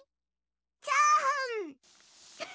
チャーハン！